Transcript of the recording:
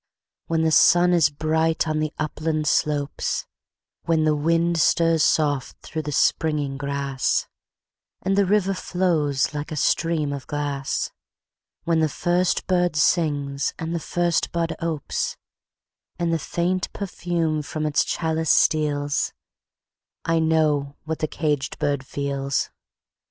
When the sun is bright on the upland slopes; When the wind stirs soft through the springing grass, And the river flows like a stream of glass; When the first bird sings and the first bud opes, And the faint perfume from its chalice steals I know what the caged bird feels!